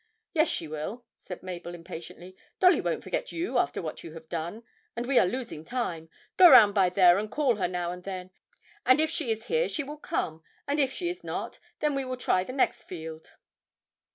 'Yes, she will,' said Mabel impatiently; 'Dolly won't forget you after what you have done, and we are losing time. Go round by there, and call her now and then; if she is here she will come, and if not then we will try the next field.'